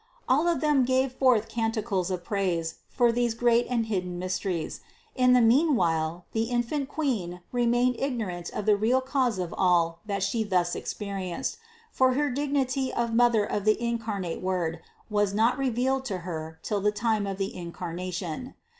All of them gave forth canticles of praise for these great and hidden mysteries. In the mean while the infant Queen remained ignorant of the real cause of all that She thus experienced, for her dignity of Mother of the incarnate Word was not revealed to Her till the time of the Incarnation.